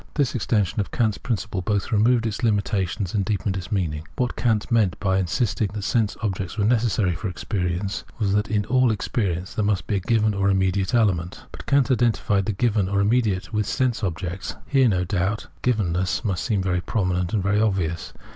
This extension of Kant's principle both removed its limitations and deepened its meaning. What Kant meant by insisting that sense objects were necessary for experience, was that in all experience there must be a given or immediate element. But Kant identified the given, or immediate, with sense objects. Here, no doubt, givermess seems very prominent and very obvious.